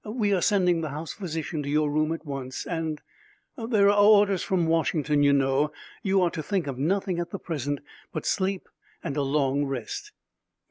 We are sending the house physician to your room at once and there are orders from Washington, you know you are to think of nothing at the present but sleep and a long rest."